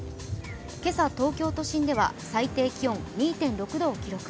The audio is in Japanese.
今朝、東京都心では最低気温２．６度を記録。